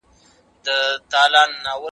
دا نظم مي لږګړی وروسته